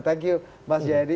thank you mas jaya dehanan